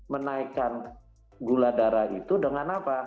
menaikkan gula darah itu dengan apa